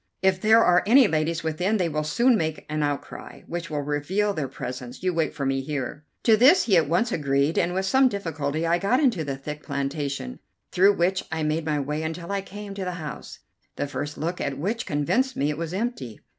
If there are any ladies within they will soon make an outcry, which will reveal their presence. You wait for me here." To this he at once agreed, and with some difficulty I got into the thick plantation, through which I made my way until I came to the house, the first look at which convinced me it was empty.